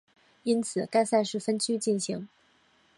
因此该赛事分区进行。